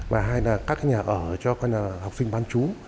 và hai là các nhà ở cho học sinh bán chú